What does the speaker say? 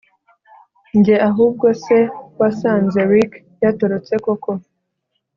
Njye ahubwo se wasanze Ricky yatorotse koko